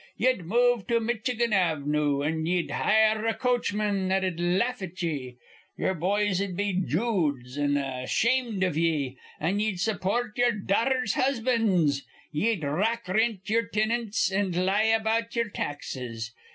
Ye'd move to Mitchigan Avnoo, an' ye'd hire a coachman that'd laugh at ye. Ye'er boys'd be joods an' ashamed iv ye, an' ye'd support ye'er daughters' husbands. Ye'd rackrint ye'er tinants an' lie about ye'er taxes.